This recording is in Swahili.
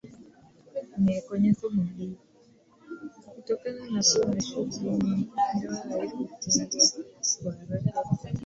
Kutokana na kuwa na shughuli nyingi ndoa haikufungwa kwa haraka kama walivyokusudia